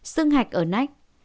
sưng hạch ở nách